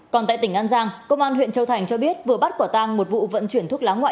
còn tại tỉnh an giang công an huyện châu thành cho biết vừa bắt quả tang một vụ vận chuyển thuốc lá ngoại